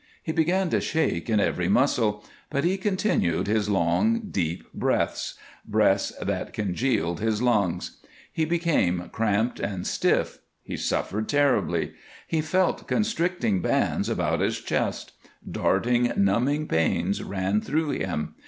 He began to shake in every muscle, but he continued his long, deep breaths breaths that congealed his lungs. He became cramped and stiff. He suffered terribly. He felt constricting bands about his chest; darting, numbing pains ran through him.